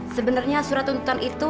sebenernya surat tuntutan itu